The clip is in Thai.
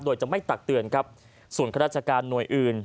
โดยจะไม่ตักเตือนครับส่วนข้าราชการหน่วยอื่น